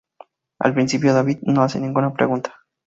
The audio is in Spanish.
Al principio David no se hace ninguna pregunta.